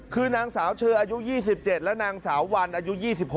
คือนางสาวเชออายุ๒๗และนางสาววันอายุ๒๖